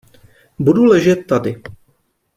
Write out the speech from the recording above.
Budu ležet tady.